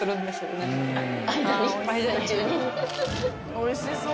おいしそう。